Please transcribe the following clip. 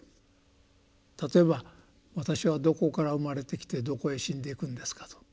例えば「私はどこから生まれて来てどこへ死んでいくんですか」と。